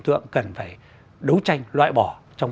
tượng cần phải đấu tranh loại bỏ trong